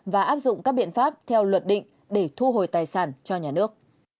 và áp dụng các biện pháp theo luật định để thu hồi tài sản cho nhà nước